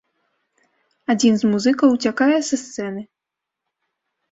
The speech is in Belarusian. Адзін з музыкаў уцякае са сцэны.